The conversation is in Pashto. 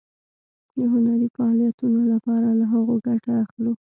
د هنري فعالیتونو لپاره له هغو ګټه اخلو.